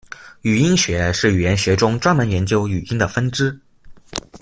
语音学是语言学中专门研究语音的分支。